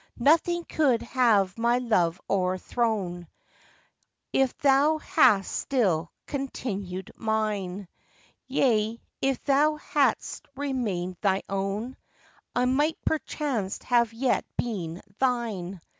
Nothing could have my love o'erthrown, If thou hadst still continued mine; Yea, if thou hadst remain'd thy own, I might perchance have yet been thine.